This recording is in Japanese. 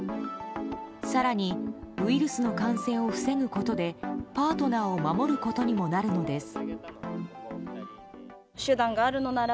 更にウイルスの感染を防ぐことでパートナーを守ることにもなるのです。